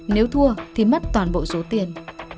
nếu thua thì mất toàn bộ số tiền